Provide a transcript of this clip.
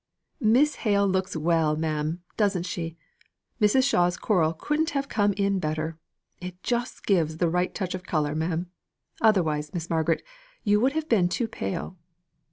"Miss Hale looks well, ma'am, doesn't she? Mrs. Shaw's coral couldn't have come in better. It just gives the right touch of colour, ma'am. Otherwise, Miss Margaret, you would have been too pale."